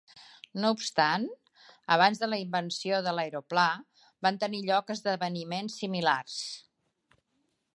No obstant, abans de la invenció de l'aeroplà, van tenir lloc esdeveniments similars.